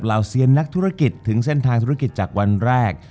เห่าเซียนนักธุรกิจถึงเส้นทางธุรกิจจากวันแรก